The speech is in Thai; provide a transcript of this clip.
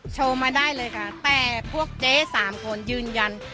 โชว์มาได้เลยค่ะแต่พวกเจ๊สามคนยืนยัน